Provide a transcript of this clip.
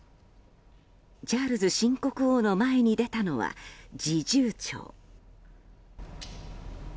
チャールズ新国王の前に出たのは侍従長。